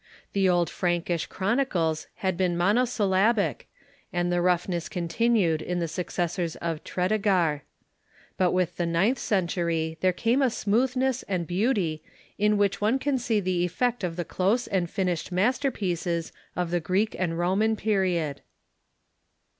The old Frankish chronicles had been monosyllabic, and the roughness continued in the successors of Tredegar. But with the ninth century there came a smoothness and beauty, in which one can see the effect of the close and fin ished masterpieces of the Greek and Roman jioriod.